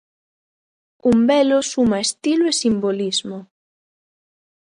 Un velo suma estilo e simbolismo.